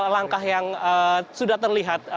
langkah yang sudah terlihat